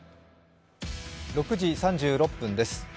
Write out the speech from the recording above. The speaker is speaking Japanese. ６時３６分です。